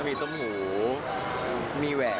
มีต้มหมูมีแหวน